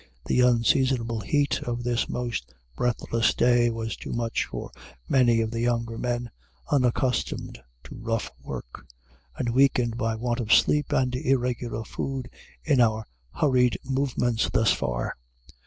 The unseasonable heat of this most breathless day was too much for many of the younger men, unaccustomed to rough work, and weakened by want of sleep and irregular food in our hurried movements thus far.